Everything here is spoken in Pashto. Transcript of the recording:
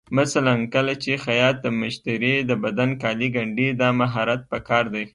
مثلا کله چې خیاط د مشتري د بدن کالي ګنډي، دا مهارت پکار دی.